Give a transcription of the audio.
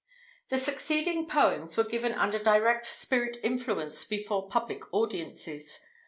The succeeding poems were given under direct spirit influence before public audiences.